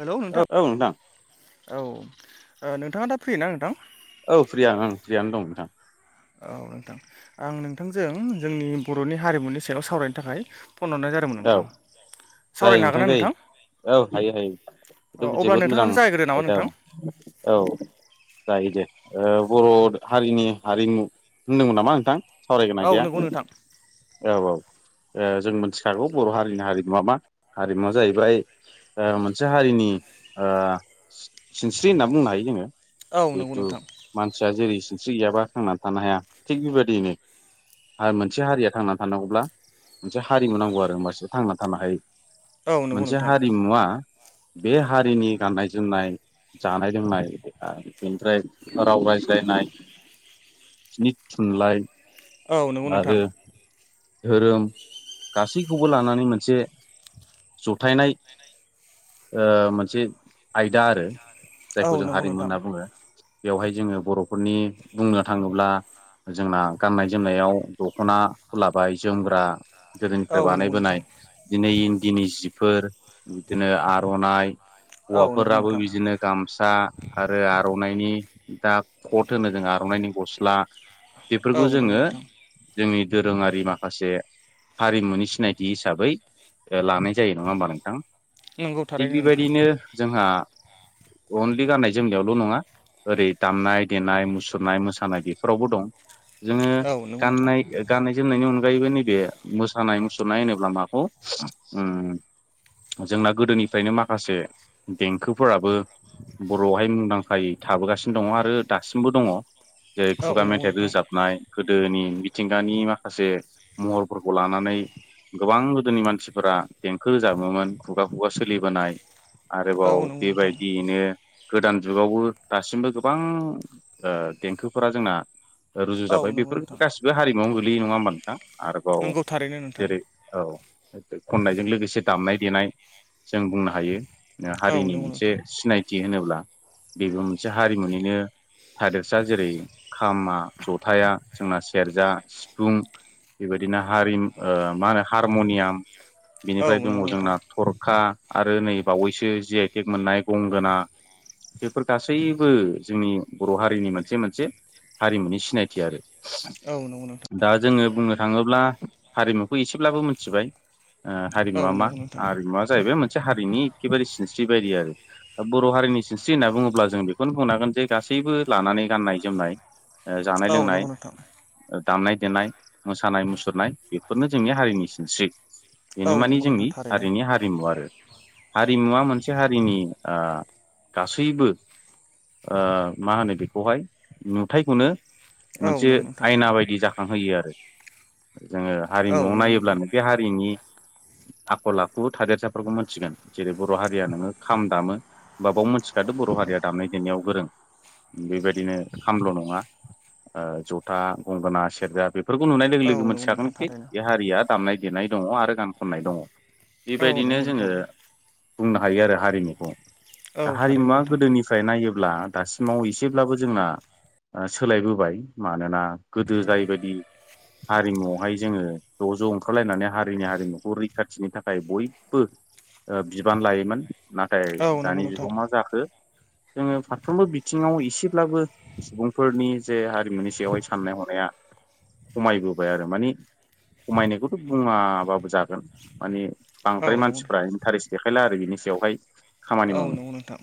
Hello औ नोंथां। औ औ ओ नोंथाङा दा फ्रि ना नोंथां? औ फ्रियानो ओं फ्रियानो दं नोंथां। औ नोंथां। आं नोंथांजों जोंनि बर'नि हारिमुनि सायाव सावरायनो थाखाय फन हरनाय जा दोंमोन औ नोंथां। जायो सावरायनो हागोन ना नोंथां? जायो औ हायो हायो औ [unintelligible] अब्ला जोबोद मोजां नोंथाङानो जागायग्रो नामा आयदा नोंथां औ औ। जायो दे ओ बर' हारिनि हारिमु होनदोंमोन नामा नोंथां सावरायगोन औ आयदाया? नंगौ नोंथां औ औ ओ जों मोनथिखागौ बर' हारिनि हारिमुवा मा हारिमुवा जाहैबाय ओ मोनसे हारिनि ओ सि सिनस्रि होनना बुंनो हायो जोङो। औ नंगौ जिहेथु नोंथां मानसिया जेरै सिनस्रि गैयाबा थांनानै थानो हाया थिग बेबादियैनो आ मोनसे हारिया थांना थानांगौब्ला मोनसे हारिमु नांगौ आरो होमबासो थांना थानो हायो। औ नंगौ मोनसे नोंथां हारिमुवा बे हारिनि गाननाय जोमनाय जानाय लोंनाय [unintelligible] बेनिफ्राय राव रायज्लायनाय [unintelligible] नि थुनलाइ औ नंगौ नोंथां। आरो धोरोम गासैखौबो लानानै मोनसे जथायनाय ओ मोनसे आयदा आरो जायखौ जों हारिमु होनना बुङो। बेवहाय जोङो बर'फोरनि बुंनो थाङोब्ला जोंना गाननाय जोमनायाव दख'ना लाबाय जोमग्रा औ गोदोनिफ्राय बानाय नंगौ बोनाय नोंथां दिनै इन्दिनि जिफोर बिदिनो आर'नाइ औ नंगौ नोंथां औ नंगौ हौवाफोराबो नोंथां बिदिनो गामसा आरो आर'नाइनि दाक कट होनो जों आर'नाइनि गस्ला औ बेफोरखौ नंगौ जोङो नोंथां जोंनि दोरोङारि माखासे हारिमुनि सिनायथि हिसाबै ओ लानाय जायो नङा होमबा नोंथां? नंगौ थिग थारैनो नोंथां बेबायदिनो जोंहा अनलि गाननाय जोमनायावल' नङा ओरै दामनाय देनाय मुसुरनाय मोसानाय बेफोरावबो दं जोङो औ नंगौ नोंथां गाननाय ओ गाननाय जोमनायनि अनगायैबो नैबे मोसानाय मुसुरनाय होनोब्ला माखौ उम जोंना गोदोनिफ्रायनो माखासे देंखोफोराबो बर'आवहाय मुंदां खायै थाबोगासिनो दङ आरो दासिमबो दङ जेरै औ खुगा नंगौ मेथाइ नोंथां रोजाबनाय गोदोनि मिथिंगानि माखासे महरफोरखौ लानानै गोबां गोदोनि मानसिफोरा देंखो रोजाबोमोन खुगा खुगा सोलिबोनाय औ आरोबाव नंगौ नोंथां बेबायदियैनो गोदान जुगावबो दासिमबो गोबां देंखोफोरा जोंना ओ औ रुजुजाबाय नंगौ बेफोर नोंथां गासिबो हारिमुआवनो गोलैयो नङा होमबा नोंथां? आरोबाव नंगौ थारैनो नोंथां जेरै औ मेथाय खननायजों लोगोसे दामनाय देनाय जों बुंना हायो औ हारिनि नंगौ मोनसे नोंथां सिनायथि होनोब्ला बेबो मोनसे हारिमुनिनो थादेरसा जेरै खामा जथाया जोंना सेरजा सिफुं बेबायदिनो हारिम मा होनो हारमनियाम औ बिनिफ्राय दङ नंगौ नोंथां जोंना थरखा आरो नै बावैसो जि आइटेक मोननाय गंगोना बेफोर गासैबो जोंनि बर' हारिनि मोनसे मोनसे हारिमुनि सिनायथि आरो। औ नंगौ। दा जोङो बुंनो थाङोब्ला हारिमुखौ एसेब्लाबो मिथिबाय। ओ औ हारिमुवा मा नंगौ नोंथां हारिमुवा जाहैबाय मोनसे हारिनि एखेबारे सिनस्रि बायदि आरो। दा बर' हारिनि सिनस्रि होनना बुङोब्ला जों बेखौनो बुंनांगोन जे गासैबो लानानै गाननाय जोमनाय ओ जानाय औ नंगौ लोंनाय नोंथां ओ दामनाय देनाय मोसानाय मुसुरनाय बेफोरनो जोंनि हारिनि सिनस्रि। औ बेनो माने नंगौ नोंथां जोंनि थारैनो हारिनि हा रिमु आरो हारिमुवा मोनसे हारिनि आ गासैबो ओ मा होनो बेखौहाय नुथायखौनो औ मोनसे नंगौ नोंथां आयना बायदि जाखांहोयो आरो जोङो औ हारिमुआव नंगौ नोंथां नायोब्लानो बे हारिनि आखल आखु थादेरसाफोरखौ मोनथिगोन जेरै बर' हारिया नोङो खाम दामो होमबा बाव मोनथिखादो बर' हारिया दामनाय देनायाव गोरों बेबायदिनो खामल' नङा ओ जथा गंगोना सेरजा बेफोरखौ नुनाय लोगो औ लोगो नंगौ नोंथां मिथिखागोनखि थारैनो बे हारिया दामनाय देनाय दङ आरो गान खननाय दङ। औ बेबायदिनो नंगौ जोङो नोंथां बुंनो हायो आरो हारिमुखौ। औ दा थारैनो हारिमुवा नोंथां गोदोनि फ्राय नायोब्ला दासिमाव एसेब्लाबो जोंना ओ सोलायबोबाय मानोना गोदो जायबायदि हारिमुआवहाय जोङो ज' ज' ओंखारलायनानै हारिनि हारिमुखौ रैखाथिनि थाखाय बयबो ओ बिबान लायोमोन नाथाय औ नंगौ दानि नोंथां जुगाव मा जाखो जोङो फारफ्रोमबो बिथिङाव इसेब्लाबो सुबुंफोरनि जे हारिमुनि सायावहाय साननाय हनाया खमायबोबाय आरो माने खमायनायखौथ' बुङाबाबो जागोन माने औ बांद्राय नंगौ मानसिफ्रा नोंथां इन्टारेस्ट देखायला आरो बिनि सायावहाय खामानि औ मावनो। नंगौ नोंथां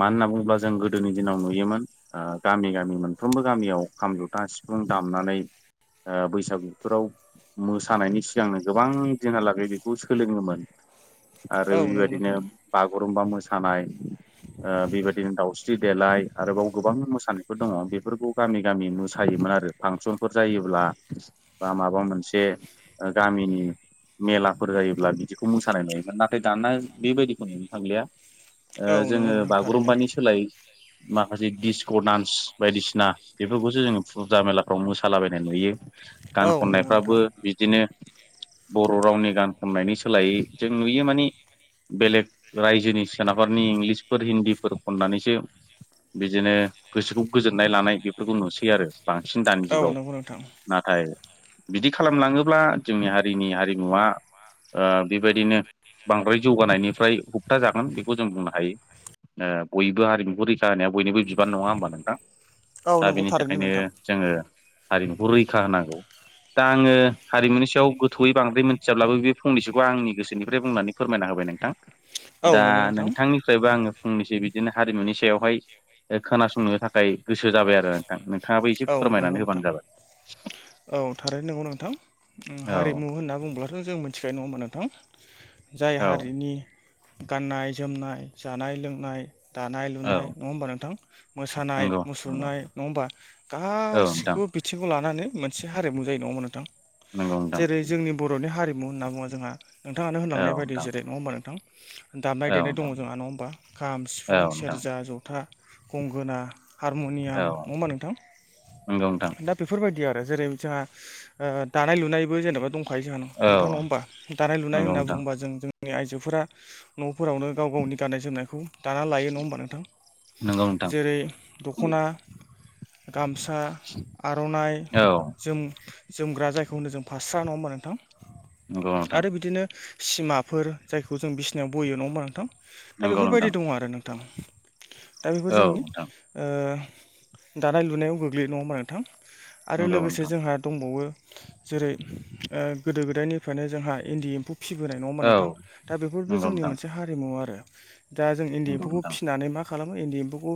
मानो होनना बुङोब्ला जों गोदोनि दिनाव नुयोमोन आ गामि गामि मोनफ्रोमबो गामियाव खाम जथा सिफुं दामनानै ओ बैसागो थोराव मोसानायनि सिगांनो गोबां दिनहालागै बेखौ सोलोङोमोन। आरो औ नंगौ बिबायदिनो नोंथां बागुरुमबा मोसानाय ओ बेबायदिनो दाउसि स्रि देलाय आरोबाव गोबां मोसानायफोर दङ बेफोरखौ गामि गामि मोसायोमोन आरो फांसनफोर जायोब्ला बा माबा मोनसे ओ गामिनि मेलाफोर जायोब्ला बिदिखौ मोसानाय नुयोमोन नाथाय दाना बेबायदिखौ नुनो थांलिया। ओ औ नंगौ जोङो नोंथां थारैनो बागुरुम्बानि सोलायै माखासे डिस्क' डान्स बायदिसिना बेफोरखौसो जोङो फुजा मेलाफ्राव मोसालाबायनाय नुयो। गान औ नंगौ खननायफ्राबो नोंथां बिदिनो बर' रावनि गान खननायनि सोलायै जों नुयो माने बेलेग रायजोनि सोनाबफोरनि इंलिसफोर हिन्दीफोर खननानैसो बिजोनो गोसोखौ गोजोननाय लानाय बेफोरखौ नुसै आरो बांसिन दानि औ जुगाव। नंगौ नोंथां नाथाय बिदि खालामलाङोब्ला जोंनि हारिनि हारिमुवा ओ बेबायदिनो बांद्राय जौगानायनिफ्राय हुबथा जागोन बेखौ जों बुंनो हायो। ओ बयबो हारिमुखौ रैखा होनाया बयनिबो बिबान नङा होनबा नोंथां? औ दा नंगौ बिनि थारैनो थाखायनो नोंथां जोङो हारिमुखौ रैखा होनांगौ। दा आङो हारिमुनि सायाव गोथौयै बांद्राय मिथियाब्लाबो बे फंनैसोखौ आंनि गोसोनिफ्राय बुंनानै फोरमायना होबाय नोंथां औ दा नंगौ नोंथां नोंथांनि फ्रायबो आङो फंनैसो बिदिनो हारिमुनि सायावहाय ओ खोनासंनो थाखाय गोसो जाबाय आरो थां नोंथाङाबो एसे औ नंगौ फोरमायनानै होबानो नोंथां जाबाय। औ थारैनो नंगौ नोंथां उम औ हारिमु होनना बुंब्ला [unintelligible] जों मिथिखायो नङा होमबा नोंथां जाय औ हारिनि गाननाय जोमनाय जानाय लोंनाय दानाय लुनाय औ नङा होमबा नोंथां मोसानाय नंगौ नंगौ मुसुरनाय नङा होमबा औ नोंथां गासिखौबो बिथिंखौ लानानै मोनसे हारिमु जायो नङा होनबा नोंथां नंगौ नोंथां जेरै जोंनि बर'नि हारिमु होनना बुंबा जोंहा नोंथाङानो औ होनलांनाय बायदि नोंथां जेरै नङा होमबा नोंथां? दामनाय औ देनाय दङ नोंथां जोंहा नङा होमबा खाम सिफुं औ नोंथां सेरजा जथा गंगोना हारम'नियाम नङा होमबा नोंथां? नोंगौ नोंथां। दा बेफोरबायदि आरो जेरै जाहा ओ दानाय लुनायबो जेनेबा दं खायो जोंहा न औ नोंथां नङा होनबा दानाय लुनाय होनना बुङोबा जों जों नि आइजोफोरा न'फोरावनो गाव गावनि गाननाय जोमनायखौ दाना लायो नङा होमबा नोंथां जेरै दख'ना गामसा आर'नाय जोम जोमग्रा जायखौ होनो जों फास्रा नङा होमबा नोंथां नंगौ नोंथां आरो बिदिनो सिमाफोर जायखौ जों बिसनायाव ब'यो नङा होमबा नोंथां दा नंगौ बेफोरबायदि नोंथां दङ आरो नोंथां। दा बेफोर औ जोंनि ओ दानाय लुनायाव गोग्लैयो नङा होमबा नोंथां आरो नंगौ नोंथां नंगौ नोंथां औ नोंथां नंगौ लोगोसे नोंथां जोंहा दंबावो जेरै ओ गोदो गोदायनिफ्रायनो जोंहा इन्दि एम्फौ फिबोनाय नङा होमबा औ नोंथां दा बेफोरबो नंगौ जोंनि नोंथां मोनसे हारिमु आरो। दा जों इन्दि नंगौ एम्फौखौ नोंथां फिनानै मा खालामो इन्दि एम्फौखौ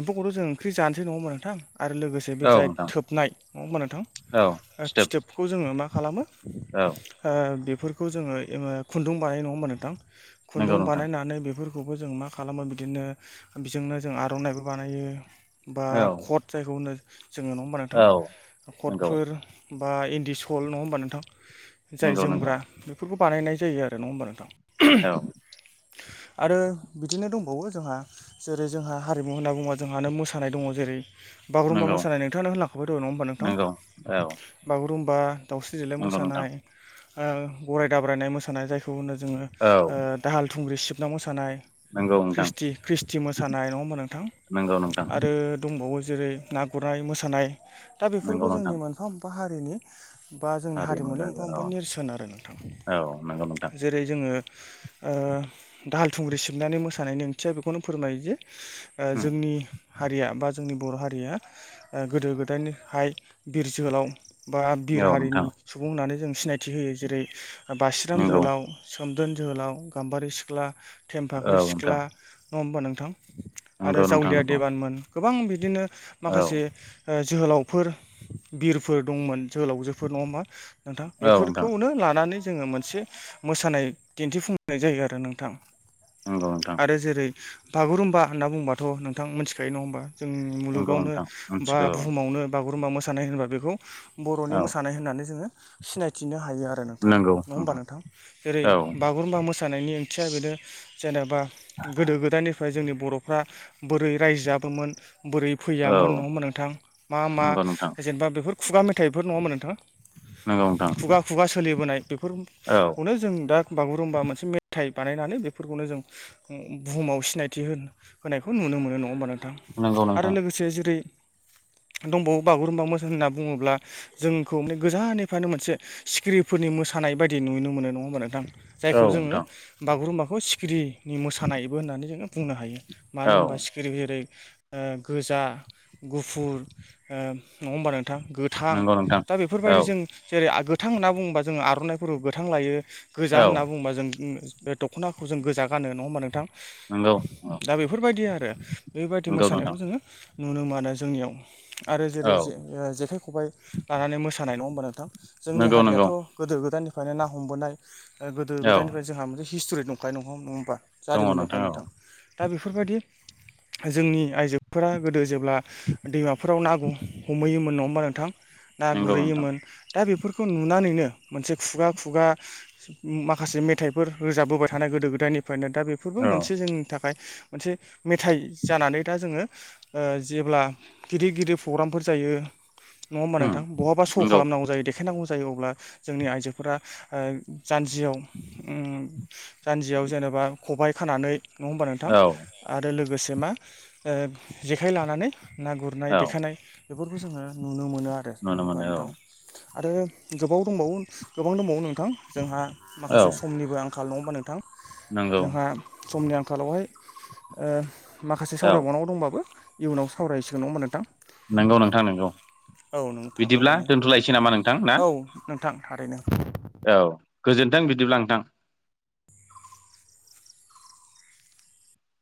एम्फौखौथ'जों ओंख्रि जानोसै नङा होनबा नों थां आरो लोगोसे बे औ जाय नोंथां थोबनाय नङा होमबा नोंथां औ फिथोब फिथोबखौ जोङो मा खालामो औ ओ बेफोरखौ जोङो खुन्दुं बानायो नङा होमबा नोंथां। खुन्दुं नंगौ नोंथां बानायनानै बेफोर खौबो जों मा खालामो बिदिनो बेजोंनो जों आर'नाइबो बानायो बा औ कट जायखौ होनो जोङो नङा होमबा नोंथां औ नंगौ कटफोर बा इन्दि सल नङा होमबा नोंथां जाय नंगौ नंगौ जोमग्रा बेफोरखौ बानायनाय जायो आरो नङा होमबा नोंथां। औ [unintelligible] आरो बिदिनो दंबावो जोंहा जेरै जोंहा हारिमु होनना बुङोबा जोंहानो मोसानाय दङ जेरै बागुरुमबा नंगौ मोसानाय नोंथांआनो होनलांखाबाय नङा होमबा नोंथां। नंगौ औ बागुरुम्बा दाउस्रि देलाय नंगौ नोंथां मोसानाय। ओ गराइ दाब्रायनाय मोसानाय जायखौ होनो जोङो औ ओ दाहाल थुंग्रि सिबना मोसानाय। नंगौ नोंथां ख्रिस्टि ख्रिस्टि मोसानाय नङा होमबा नोंथां नंगौ नोंथां आरो दंबावो जेरै ना गुरनाय मोसानाय दा बेफोरबो नंगौ जोंनि नोंथां मोनफा मोनफा हारिनि बा जोंनि हारिमु हारिमुनि मोनफा जायगा मोनफा औ नेरसोन आरो नोंथां औ नंगौ नोंथां जेरै जोङो ओ दाहाल थुंग्रि सिबनानै मोसानायनि ओंथिया बेखौनो फोरमायो जे ओ उम जोंनि हारिया बा जोंनि बर' हारिया ओ गोदो गोदायनिहाय बिर जोहोलाव बा बिर औ नोंथां हारिनि सुबुं होननानै जों सिनायथि होयो जेरै बासिराम नंगौ जोहोलाव सोमदोन जोहोलाव गाम्बारि सिख्ला औ थेमफाख्रि सिख्ला नोंथां नङा होमबा नोंथां। आरो नंगौ नोंथां जावलिया नंगौ देबानमोन गोबां बिदिनो औ माखासे ओ जोहोलावफोर बिरफोर दंमोन जोहोलावजोफोर नङा होमबा नोंथां औ नोंथां बेफोरखौनो लानानै जोङो मोनसे मोसानाय दिन्थिफुंनाय जायो आरो नोंथां। नोंगौ नोंथां। आरो जेरै बागुरुम्बा होनना बुंबाथ' नोंथां मिथिखायो नङा होमबा। जोंनि नंगौ मुलुगावनो नोंथां बा मिथिगौ बुहुमावनो बागुरुम्बा मोसानाय होनोबा बेखौ बर'नि औ मोसानाय होननानै जोङो सिनायथिनो हायो आरो नोंथां नङा होमबा नोंथां जेरै औ बा गुरुम्बा मोसानायनि ओंथिया बेनो जेनेबा गोदो गोदायनिफ्राय जोंनि बर'फ्रा बोरै रायजो जाबोमोन बोरै औ फैयामोन नङा होमबा नोंथां मा मा नंगौ नोंथां जेनेबा बेफोर खुगा मेथाइफोर नङा होमबा नोंथां। नोंगौ नोंथां। खुगा खुगा सोलिबोनाय औ बेफोरखौनो जों दा बागुरुम्बा मोनसे मेथाइ बानायनानै बेफोरखौनो जों बुहुमाव सिनायथि हो होनायखौ नुनो मोनो नङा होमबा नोंथां। नंगौ नोंथां गोसोया जेरै दंबावो बागुरुमबा मोसानाय होनना बुंङोब्ला जोंखौ गोजाननिफ्रायनो मोनसे सिखिरि फोरनि मोसानाय बायदि नुयनो मोनो नङा होना नोंथां। औ जायखौ जोङो नोंथां बागुरुम्बाखौ सिखिरिनि मोसानायबो होननानै जोङो बुंनो हायो मानो औ होनबा सि फिरि जेरै गोजा गुफुर ओ नङा होमबा नोंथां गो थां नंगौ नोंथां दा औ बेफोरबायदि जों जेरै गोथां होनना बुङोबा जोङो आरनाइफोराव गोथां लायो। गोजा औ होनना बुङोबा जों उम बे दखनाखौ जों गोजा गानो नङा होनबा नोंथां। नंगौ नंगौ दा बेफोरबायदि आरो बेबायदि मोसानायखौ नोंथां जों ङो नुनो मोनो जोंनियाव आरो जेरै औ जो ओ जेखाइ खबाइ लानानै मोसानाय नङा होमबा नोंथां जोंनि नंगौ हारियाथ' नंगौ गोदो गोदायनिफ्रायनो ना हमबोनाय गोदो औ गोदायनिफ्राय जोंहा मोनसे हिस्टरि दंखायो नंगौ नङ होमबा दङ जारिमिन दंखायो औ नोंथां दा बेफोरबायदि जोंनि आइजोफोरा गोदो जेब्ला दैमाफोराव ना गु हमहैयोमोन नङा होमबा नोंथां ना नंगौ नोंथां गुरहैयोमोन दा बेफोरखौ नुनानैनो मोनसे खुगा खुगा माखासे मेथाइफोर रोजाबबोबाय थानाय गोदो गोदायनिफ्रायनो दा बेफोरबो औ मोनसे जोंनि थाखाय मोनसे मेथाइ जानानै दा जोङो ओ जेब्ला गिदिर गिदिर पग्रामफोर जायो नङा होमबा उम नोंथां बहाबा स नंगौ खालामनांगौ जायो देखायनांगौ जायो अब्ला जोंनि आइजोफोरा ओ जानजियाव उ जान्जियाव जेनेबा खबाइ खानानै नङा होमबा नोंथां औ आरो लोगोसे मा ओ जेखाइ लानानै ना गुरनाय औ देखायनाय बेफोरखौ जोङो नुनो मोनो आरो नङा नुनो होबा मोनो नोंथां औ आरो गोबाव दंबावो गोबां दंबावो नोंथां जोंहा औ माखासे समनिबो आं खाल नङा होमबा नोंथां नंगौ जोंहा समनि आंखालावहाय ओ माखासे औ सावरायबावनांगौ दंबाबो इयुनाव सावरायसिगोन नङा होमबा नोंथां नंगौ नोंथां नंगौ औ नोंथां बिदिब्ला थारैनो दोनथ'लायसै नामा नोंथां ना औ नोंथां थारैनो औ गोजोनथों बिदिब्ला नोंथां